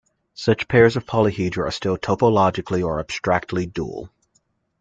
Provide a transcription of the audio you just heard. Such pairs of polyhedra are still topologically or abstractly dual.